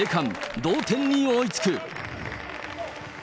同点に追いつく。